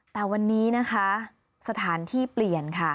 แต่วันนี้นะคะสถานที่เปลี่ยนค่ะ